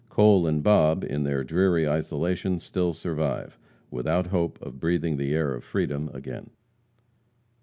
Cole and Bob, in their dreary isolation, still survive, without hope of breathing the air of freedom again.